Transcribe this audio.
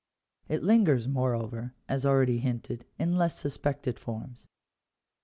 It lingers, moreover, as already hinted, in less suspected forms.